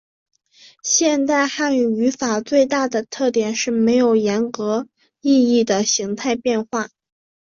现代汉语语法最大的特点是没有严格意义的形态变化。